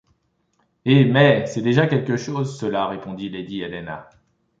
Eh mais! c’est déjà quelque chose, cela, répondit lady Helena.